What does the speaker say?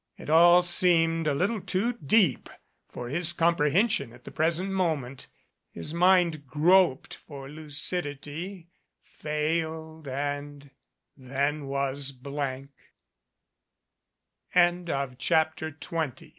It all seemed a little too deep for his comprehension at the present moment. His mind groped for lucidity, failed, and then was b